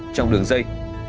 trong đường dây